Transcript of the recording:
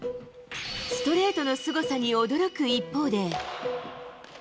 ストレートのすごさに驚く一方で。